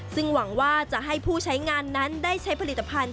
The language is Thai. ซึ่งหวังว่าจะให้ผู้ใช้งานนั้นได้ใช้ผลิตภัณฑ์